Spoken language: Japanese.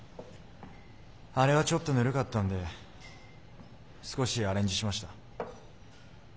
あれはちょっとヌルかったんで少しアレンジしました。